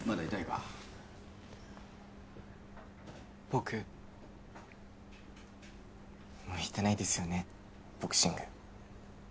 僕向いてないですよねボクシング。